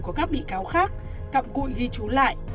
của các bị cáo khác cặm cụi ghi chú lại